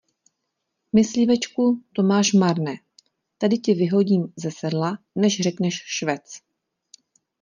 Myslivečku, to máš marné: tady tě vyhodím ze sedla, než řekneš švec.